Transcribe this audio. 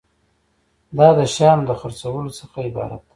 دا د شیانو د خرڅولو څخه عبارت دی.